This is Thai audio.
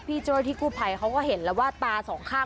พี่โจ้ที่กูภัยเขาก็เห็นแล้วว่าตา๒ฆ่า